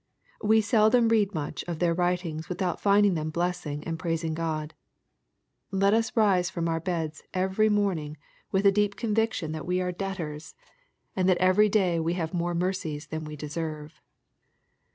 We seldom read much of their writings without finding them blessing and praising God. Let us rise from our beds every morning vita & deep conviction that we are debtors, and that LUKE; CHAP. L 37 every da; we h:ive more mercies than we deserve.